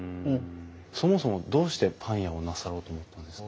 そもそもどうしてパン屋をなさろうと思ったんですか？